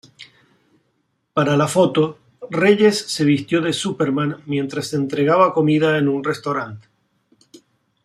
Para la foto, Reyes se vistió de Superman mientras entregaba comida en un restaurante.